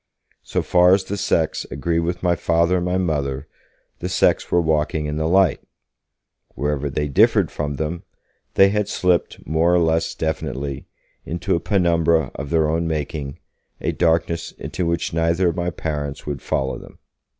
So far as the sects agreed with my Father and my Mother, the sects were walking in the light; wherever they differed from them, they had slipped more or less definitely into a penumbra of their own making, a darkness into which neither of my parents would follow them.